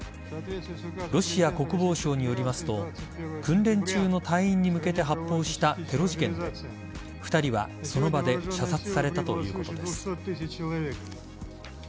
ロシア国防省によりますと訓練中の隊員に向けて発砲したテロ事件で２人はその場で射殺されたということです。